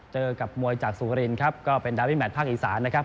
เจอกับมวยจากสุรินครับก็เป็นดาวิแมทภาคอีสานนะครับ